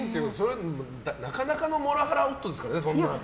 なかなかのモラハラ夫ですからね。